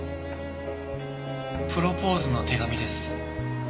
プロポーズの手紙です。